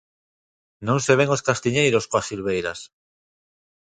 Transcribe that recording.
Non se ven os castiñeiros coas silveiras.